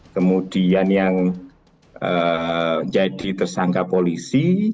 kemudian yang jadi tersangka polisi